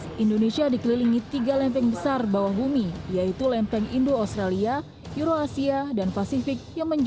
misalnya dikelilingi dengan tiga lempeng besar indo australia eurasia dan pasifik